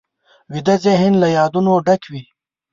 ویده ذهن له یادونو ډک وي